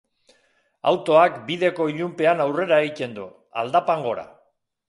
Autoak bideko ilunpean aurrera egiten du, aldapan gora.